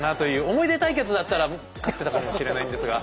思い出対決だったら勝ってたかもしれないんですが。